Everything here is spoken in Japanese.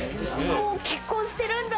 もう結婚してるんだ。